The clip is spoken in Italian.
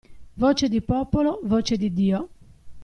Voce di popolo, voce di Dio.